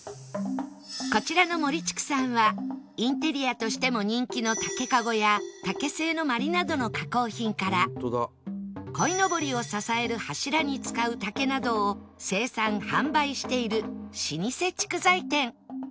こちらの ＭＯＲＩＣＨＩＫＵ さんはインテリアとしても人気の竹カゴや竹製の鞠などの加工品からこいのぼりを支える柱に使う竹などを生産販売している老舗竹材店